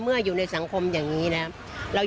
อุ๊ยแซ่บ